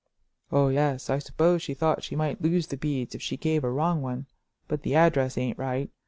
"Oh, yes; I s'pose she thought she might lose the beads if she gave a wrong one; but the address ain't right.